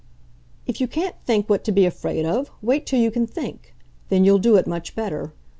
"If you can't think what to be afraid of, wait till you can think. Then you'll do it much better.